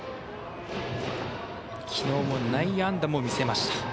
きのうも内野安打も見せました。